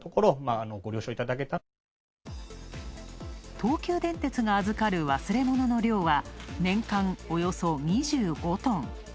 東急電鉄が預かる忘れ物の量は年間およそ２５トン。